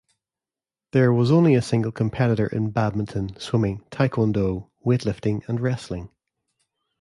There was only a single competitor in badminton, swimming, taekwondo, weightlifting, and wrestling.